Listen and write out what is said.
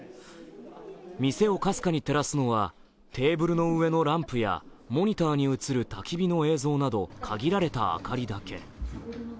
店をかすかに照らすのはテーブルの上のランプやモニターに映るたき火の映像など限られた明かりだけ。